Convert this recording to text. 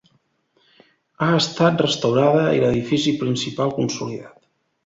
Ha estat restaurada i l'edifici principal consolidat.